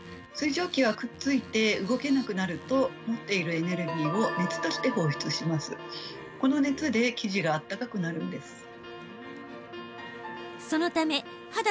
水蒸気はくっついて動けなくなると持っているエネルギーをこの熱で生地があったかくなるんです。